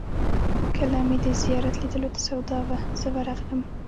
کله چې مې د زیارت لیدلو ته سودا وه، زه ورغلم.